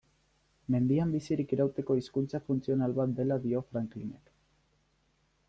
Mendian bizirik irauteko hizkuntza funtzional bat dela dio Franklinek.